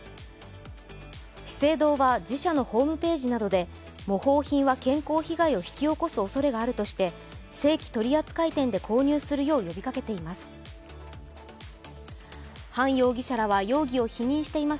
資生堂は自社のホームページなどで模倣品は健康被害を引き起こすおそれがあるとして正規取扱店で購入するよう呼びかけています